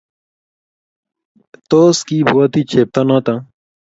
Tos, kiibwoti chepto noto?